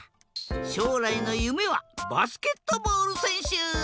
しょうらいのゆめはバスケットボールせんしゅ。